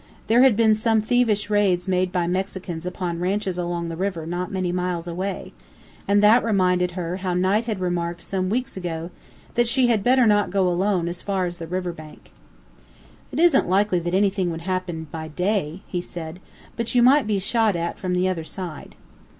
There had been some thievish raids made by Mexicans upon ranches along the river not many miles away, and that reminded her how Knight had remarked some weeks ago that she had better not go alone as far as the river bank. "It isn't likely that anything would happen by day," he said, "but you might be shot at from the other side."